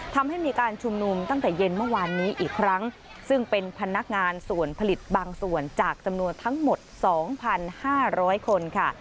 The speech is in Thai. ทำให้มีการชุมนุมตั้งแต่เย็นเมื่อวานนี้อีกครั้งซึ่งเป็นพนักงานส่วนผลิตบางส่วนจากจำนวนทั้งหมด๒๕๐๐คนค่ะ